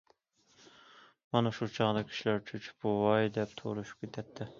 مانا شۇ چاغدا كىشىلەر چۆچۈپ« ۋاي» دەپ توۋلىشىپ كېتەتتى.